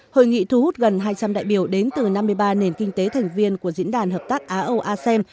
hội nghị thu hút gần hai trăm linh đại biểu đến từ năm mươi ba nền kinh tế thành viên của diễn đàn hợp tác a âu a sem